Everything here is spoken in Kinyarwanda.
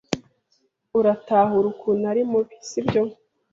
Uratahura ukuntu ari mubi, sibyo?